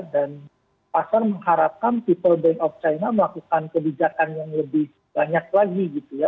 dan pasar mengharapkan people bank of china melakukan kebijakan yang lebih banyak lagi gitu ya